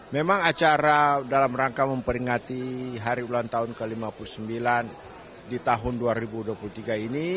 memang acara dalam rangka memperingati hari ulang tahun ke lima puluh sembilan di tahun dua ribu dua puluh tiga ini